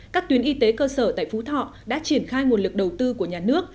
các tuyến y tế cơ sở tại phú thọ đã triển khai nguồn lực đầu tư của nhà nước